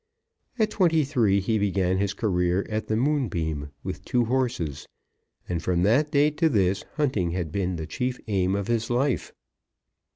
At twenty three he began his career at the Moonbeam with two horses, and from that day to this hunting had been the chief aim of his life.